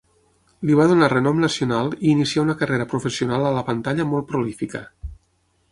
Li va donar renom nacional i inicià una carrera professional a la pantalla molt prolífica.